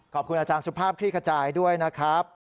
ขอบคุณอาจารย์สุภาพคลี่ขจายด้วยนะครับ